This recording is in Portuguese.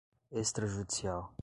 extrajudicial